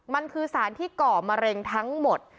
มันคือสารที่ก่อมะเร็งทั้งหมด